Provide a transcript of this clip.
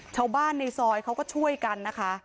ชาวบ้านในซอยเขาก็ช่วยกันนะคะ